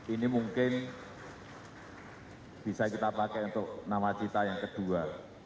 ini mungkin bisa kita pakai untuk nawacita yang kedua